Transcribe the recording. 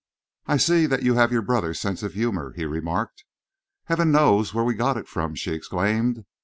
"I see that you have your brother's sense of humour," he remarked. "Heaven knows where we got it from!" she exclaimed.